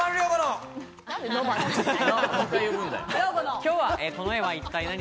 今日は「この絵は一体ナニ！？」